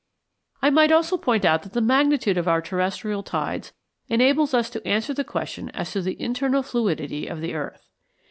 ] I might also point out that the magnitude of our terrestrial tides enables us to answer the question as to the internal fluidity of the earth.